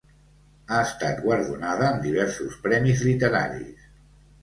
Ha estat guardonada amb diversos premis literaris.